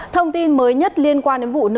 thông tin mới nhất liên quan đến vụ nữ